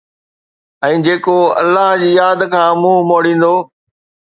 ۽ جيڪو الله جي ياد کان منهن موڙيندو